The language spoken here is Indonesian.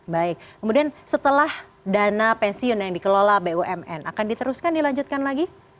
baik kemudian setelah dana pensiun yang dikelola bumn akan diteruskan dilanjutkan lagi